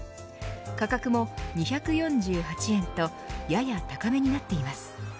価格も２４８円とやや高めになっています。